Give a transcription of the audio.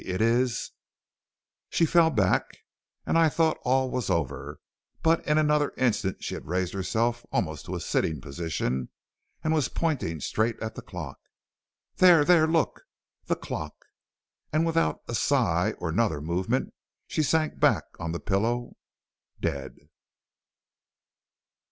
It is ' She fell back, and I thought all was over; but in another instant she had raised herself almost to a sitting position, and was pointing straight at the clock. 'There! there! look! the clock!' And without a sigh or another movement she sank back on the pillow, dead."